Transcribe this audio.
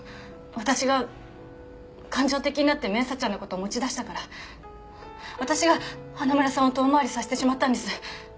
私が感情的になって明紗ちゃんの事持ち出したから私が花村さんを遠回りさせてしまったんです。